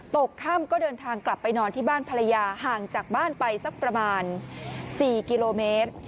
ตกค่ำก็เดินทางกลับไปนอนที่บ้านภรรยาห่างจากบ้านไปสักประมาณ๔กิโลเมตร